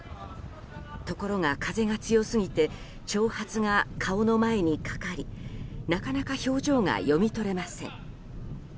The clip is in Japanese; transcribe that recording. ところが、風が強すぎて長髪が顔の前にかかりなかなか表情が読み取れません。